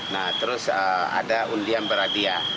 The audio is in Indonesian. nah terus ada undian beradiah